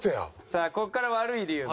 さあここから悪い理由。